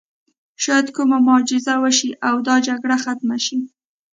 شاید کومه معجزه وشي او دا جګړه ختمه شي